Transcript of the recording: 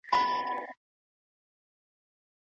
آیا ته غواړې چې په بازار کې یو باوري شخصیت شې؟